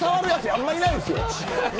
あんまりいないですよ。